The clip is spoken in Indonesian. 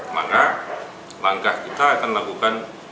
maka langkah kita akan melakukan